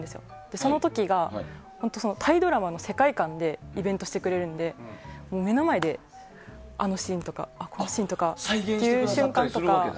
その時がタイドラマの世界観でイベントしてくれるので目の前で、あのシーンとかこのシーンとか。再現してくれるんだ。